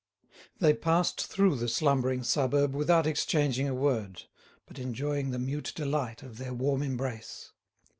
They passed through the slumbering suburb without exchanging a word, but enjoying the mute delight of their warm embrace.